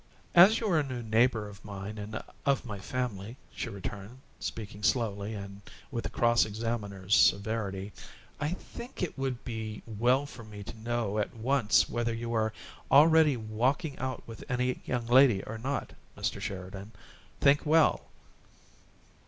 "As you are a new neighbor of mine and of my family," she returned, speaking slowly and with a cross examiner's severity, "I think it would be well for me to know at once whether you are already walking out with any young lady or not. Mr. Sheridan, think well!